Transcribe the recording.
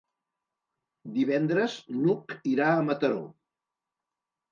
Divendres n'Hug irà a Mataró.